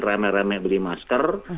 remeh remeh beli masker